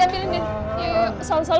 gigi sudah selesai